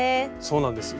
そうなんです。